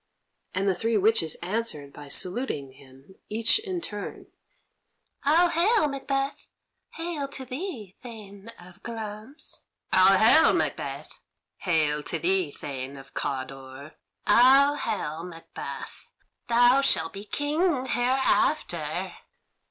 And the three witches answered by saluting him, each in turn: "All hail, Macbeth! Hail to thee, Thane of Glamis!" "All hail, Macbeth! Hail to thee, Thane of Cawdor!" "All hail, Macbeth! Thou shalt be King hereafter."